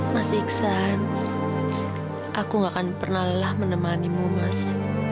mas iksan aku tidak akan pernah lelah menemani mu mas